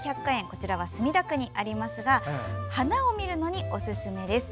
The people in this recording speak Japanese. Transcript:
こちらは墨田区にありますが花を見るのにおすすめです。